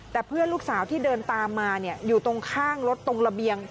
แต่เพื่อนลูกสาวที่เดินตามมาอยู่ตรงข้างรถตรงระเบียง